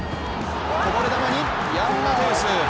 こぼれ球にヤン・マテウス。